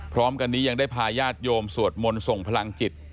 พร้อมกันนี้ยังได้พาญาติโยมสวดมนต์ส่งพลังจิต